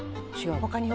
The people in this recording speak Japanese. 「他には？」